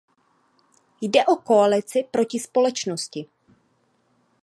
Jde o koalici proti společnosti.